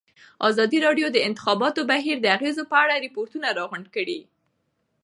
ازادي راډیو د د انتخاباتو بهیر د اغېزو په اړه ریپوټونه راغونډ کړي.